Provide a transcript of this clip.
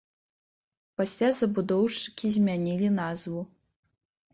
Пасля забудоўшчыкі змянілі назву.